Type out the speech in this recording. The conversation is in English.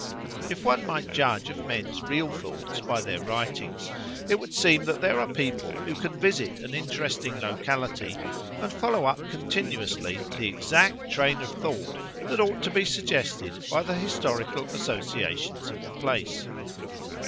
If one might judge of men's real thoughts by their writings, it would seem that there are people who can visit an interesting locality and follow up continuously the exact train of thought that ought to be suggested by the historical associations of the place.